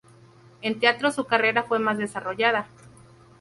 En teatro su carrera fue más desarrollada.